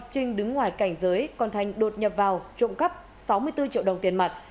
trinh đứng ngoài cảnh giới còn thành đột nhập vào trộm cắp sáu mươi bốn triệu đồng tiền mặt